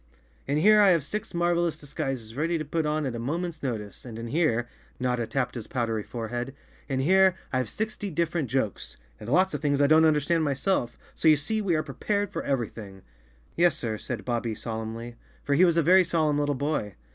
"In here I have six marvelous disguises ready to put on at a moment's notice, and in here," Notta tapped his powdery forehead, "in here, I've sixty different jokes, and lots of things I don't understand myself, so you see we are prepared for everything." "Yes, sir," said Bobbie solemnly, for he was a very solemn little boy.